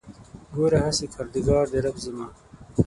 ګوره هسې کردګار دی رب زما